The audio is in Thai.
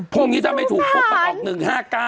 พรุ่งนี้ทำให้ถูกปล้บแบบออก๑๕๙